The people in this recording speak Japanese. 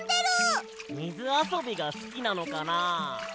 みずあそびがすきなのかな。